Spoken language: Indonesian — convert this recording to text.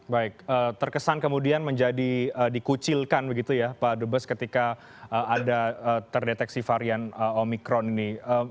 baik terkesan kemudian menjadi dikucilkan begitu ya pak dubes ketika ada terdeteksi varian omikron ini